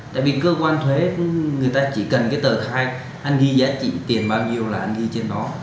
tại vì cơ quan thuế người ta chỉ cần cái tờ khai anh ghi giá trị tiền bao nhiêu là anh ghi trên đó